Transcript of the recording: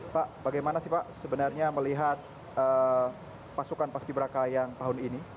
pak bagaimana sih pak sebenarnya melihat pasukan paski beraka yang tahun ini